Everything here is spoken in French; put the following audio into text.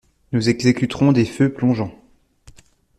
Nous exécuterons des feux plongeants.